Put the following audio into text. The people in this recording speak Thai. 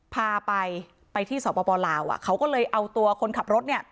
พาไปไปที่สปลาวเขาก็เลยเอาตัวคนขับรถเนี่ย